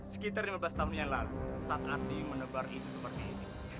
sekitar lima belas tahun yang lalu saat andi menebar isu seperti ini